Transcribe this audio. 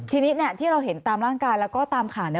ทีนี้ที่เราเห็นตามร่างกายแล้วก็ตามข่าวเนี่ย